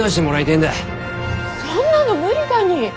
そんなの無理だに！